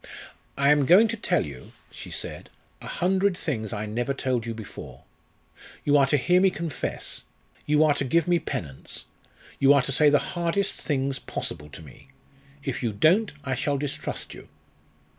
"I am going to tell you," she said, "a hundred things I never told you before. You are to hear me confess; you are to give me penance; you are to say the hardest things possible to me. If you don't I shall distrust you."